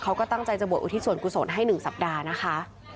เขาก็ตั้งใจจะบวชอุทิศส่วนกุศลให้๑สัปดาห์นะคะ